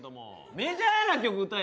メジャーな曲歌え